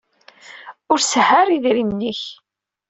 Ur sehhu ara idrimen-ik.